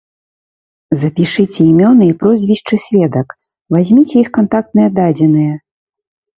Запішыце імёны і прозвішчы сведак, вазьміце іх кантактныя дадзеныя.